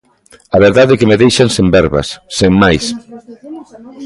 A verdade é que me deixan sen verbas, sen máis.